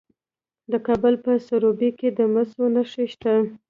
د کابل په سروبي کې د مسو نښې شته.